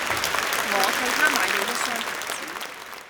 我替他買了一雙鞋子